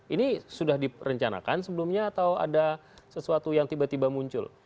ini sudah direncanakan sebelumnya atau ada sesuatu yang tiba tiba muncul